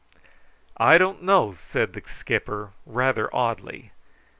"I don't know," said the skipper rather oddly.